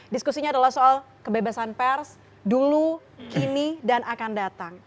diskusinya adalah soal kebebasan pers dulu kini dan akan datang